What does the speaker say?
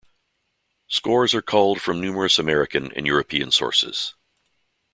Scores are culled from numerous American and European sources.